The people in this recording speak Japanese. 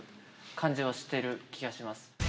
感じはしてる気がします。